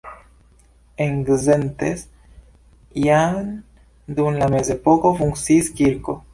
En Szentes jam dum la mezepoko funkciis kirko.